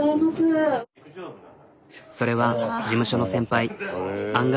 それは事務所の先輩はははっ。